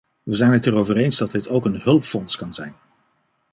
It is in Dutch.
We zijn het er over eens dat dit ook een hulpfonds kan zijn.